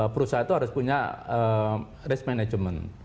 perusahaan itu harus punya risk management